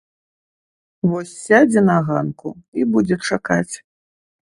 Вось сядзе на ганку і будзе чакаць.